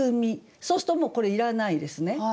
そうするともうこれいらないですね。